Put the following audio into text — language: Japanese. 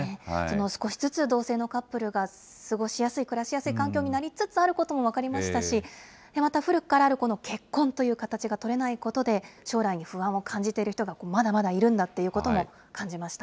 少しずつ同性のカップルが過ごしやすい、暮らしやすい環境になることも分かりましたし、また古くからあるこの結婚という形がとれないことで、将来に不安を感じている人がまだまだいるんだということも感じま